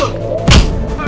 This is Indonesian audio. udah pak gausah pak